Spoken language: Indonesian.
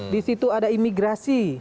di situ ada imigrasi